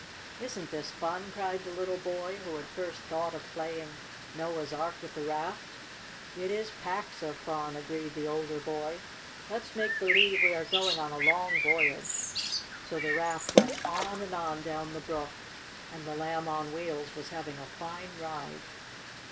"Isn't this fun!" cried the little boy who had first thought of playing Noah's Ark with the raft. "It is packs of fun!" agreed the older boy. "Let's make believe we are going on a long voyage." So the raft went on and on down the brook, and the Lamb on Wheels was having a fine ride.